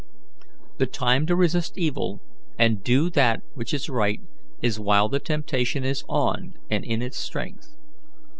The time to resist evil and do that which is right is while the temptation is on and in its strength.